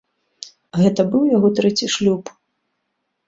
Гэта быў яго трэці шлюб.